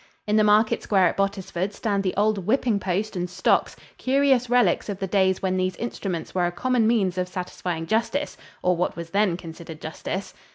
In the market square at Bottisford stand the old whipping post and stocks, curious relics of the days when these instruments were a common means of satisfying justice or what was then considered justice.